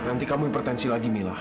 nanti kamu hipertensi lagi mila